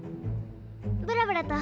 ブラブラと。